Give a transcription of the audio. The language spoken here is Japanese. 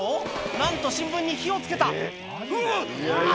なんと新聞に火を付けたうわ！